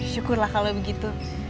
syukurlah kalau begitu